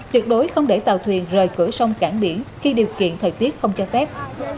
tuyệt đối không để tàu thuyền rời cửa sông cảng biển khi điều kiện thời tiết không cho phép